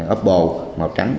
apple màu trắng